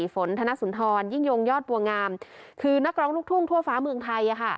ฝนธนสุนทรยิ่งยงยอดบัวงามคือนักร้องลูกทุ่งทั่วฟ้าเมืองไทย